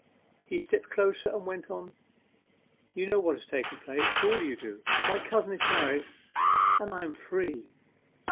He stepped closer, and went on, 'You know what has taken place? Surely you do? my cousin is married, and I am free.